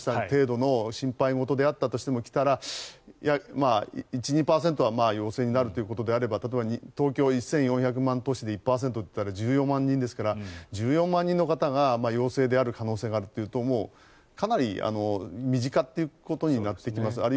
程度の心配事であったとしても来たら１２％は陽性になるということであれば東京は１４００万人都市で１％だと１４万人ですから１４万人の方が陽性である可能性があるというとかなり身近ということになってきます。